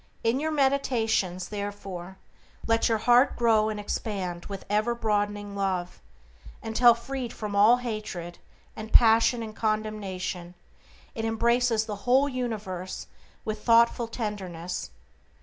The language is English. In your meditations, therefore, let your heart grow and expand with ever broadening love, until, freed from all hatred, and passion, and condemnation, it embraces the whole universe with thoughtful tenderness.